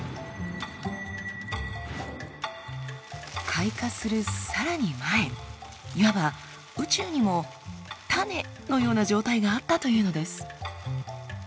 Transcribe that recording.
開花するさらに前いわば宇宙にも種のような状態があったというのです。